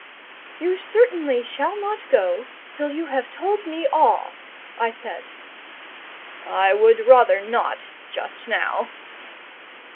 "You certainly shall not go till you have told me all," I said. "I would rather not just now."